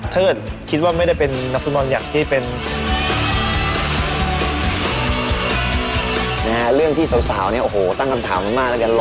เธอคิดว่าไม่ได้เป็นนักฟุตบอลอยากให้เป็น